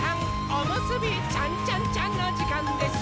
おむすびちゃんちゃんちゃんのじかんです！